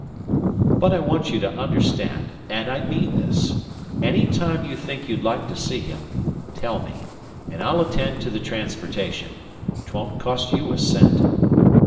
"But I want you to understand and I mean this any time you think you'd like to see him, tell me, and I'll attend to the transportation. 'Twon't cost you a cent."